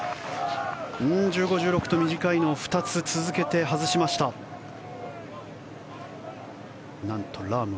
１５、１６と短いのを２つ続けて外したジョン・ラーム。